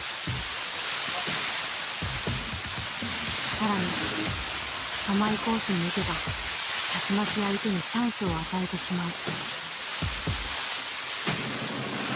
更に甘いコースに打てばたちまち相手にチャンスを与えてしまう。